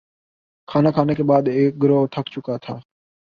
کھانا کھانے کے بعد ایک گروہ تھک چکا تھا